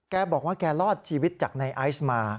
แกบอกว่าแกรอดชีวิตจากในไอซ์มา